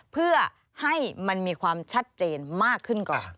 เพื่อให้มันมีความชัดเจนมากขึ้นก่อน